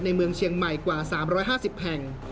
เมืองเชียงใหม่กว่า๓๕๐แห่ง